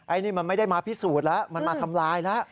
อันนี้มันไม่ได้มาพิสูจน์แล้วมันมาทำลายแล้ว